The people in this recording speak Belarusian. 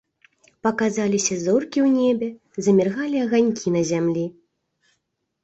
Паказаліся зоркі ў небе, заміргалі аганькі на зямлі.